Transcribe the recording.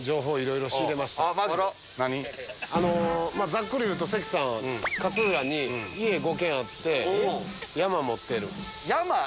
ざっくり言うと関さん勝浦に家５軒あって山持ってる。